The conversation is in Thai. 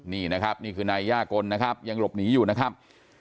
นี่นะครับนี่คือนายย่ากลนะครับยังหลบหนีอยู่นะครับ